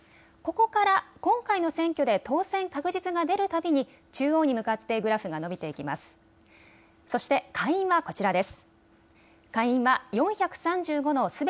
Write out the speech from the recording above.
ここから今回の選挙で当選確実が出るたびに中央に向かってグラフが伸びていきます。